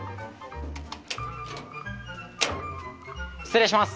失礼します。